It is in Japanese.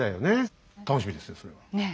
楽しみですよそれは。ねえ。